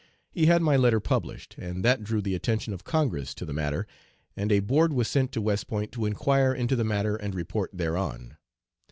He had my letter published, and that drew the attention of Congress to the matter, and a board was sent to West Point to inquire into the matter and report thereon.